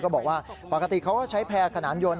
เค้าบอกว่าปกติเค้าใช้แพร่ขนานยนต์